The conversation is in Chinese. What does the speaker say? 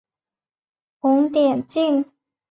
红点镜。